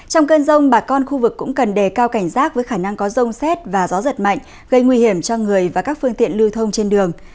trong cơn rông bà con khu vực cũng cần đề cao cảnh giác với khả năng có rông xét và gió giật mạnh gây nguy hiểm cho người và các phương tiện lưu thông trên đường